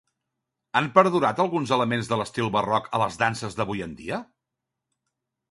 Han perdurat alguns elements de l'estil barroc a les danses d'avui en dia?